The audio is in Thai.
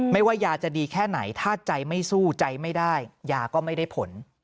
ไม่ว่ายาจะดีแค่ไหนถ้าใจไม่สู้ใจไม่ได้ยาก็ไม่ได้ผล